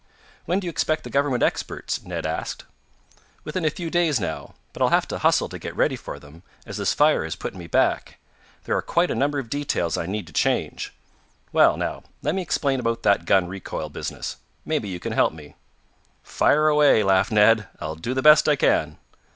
"When do you expect the government experts?" Ned asked. "Within a few days, now. But I'll have to hustle to get ready for them, as this fire has put me back. There are quite a number of details I need to change. Well, now, let me explain about that gun recoil business. Maybe you can help me." "Fire away," laughed Ned. "I'll do the best I can."